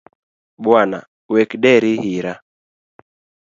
Bwana wek deri hira.